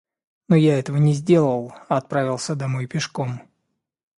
Но я этого не сделал, а отправился домой пешком.